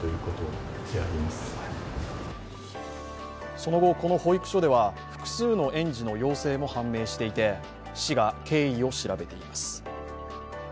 その後、この保育所では複数の園児の陽性も判明していて市が経緯を調べています。